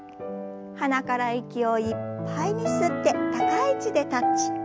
鼻から息をいっぱいに吸って高い位置でタッチ。